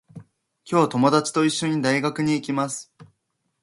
今日、ともだちといっしょに、大学に行きます。